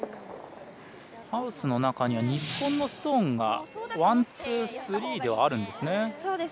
ハウスの中には日本のストーンがワン、ツー、スリーであるんですね。